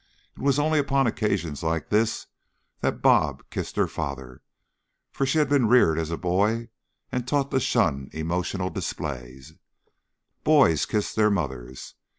It was only upon occasions like this that "Bob" kissed her father, for she had been reared as a boy and taught to shun emotional display. Boys kiss their mothers.